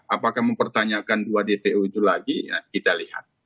apakah mempertanyakan dua dpo itu lagi kita lihat